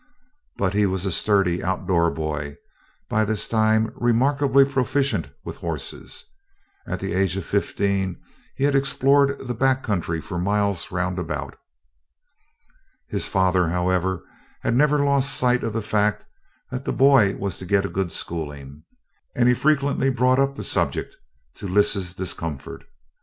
But he was a sturdy, outdoor boy, by this time remarkably proficient with horses. At the age of fifteen he had explored the back country for miles roundabout. His father, however, had never lost sight of the fact that the boy was to get a good schooling and frequently brought up the subject, to "Lys's" discomfort.